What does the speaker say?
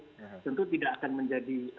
jadi tentu tidak akan menjadi